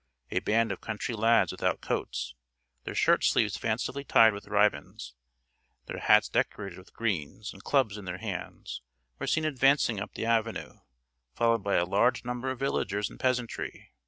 A band of country lads without coats, their shirt sleeves fancifully tied with ribands, their hats decorated with greens, and clubs in their hands, were seen advancing up the avenue, followed by a large number of villagers and peasantry.